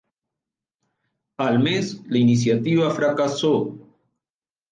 Al mes la iniciativa fracasó.